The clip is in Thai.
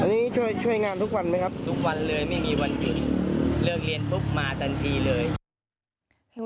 เลิกเรียนทุกวันมาทันทีเลย